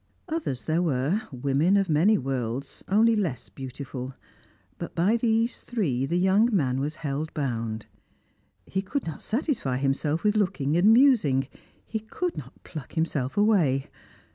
Others there were, women of many worlds, only less beautiful; but by these three the young man was held bound. He could not satisfy himself with looking and musing; he could not pluck himself away.